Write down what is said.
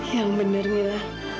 yang bener mila